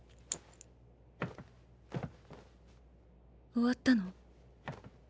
終わったの？